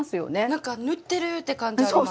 なんか縫ってるって感じあります。